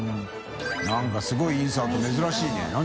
燭すごいインサート珍しいね何？